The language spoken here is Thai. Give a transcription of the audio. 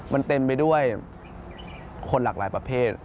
มันเต็มไปด้วยคนหลากหลายประเภท